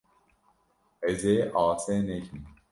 Ez ê asê nekim.